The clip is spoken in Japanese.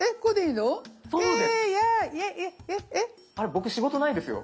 僕仕事ないですよ。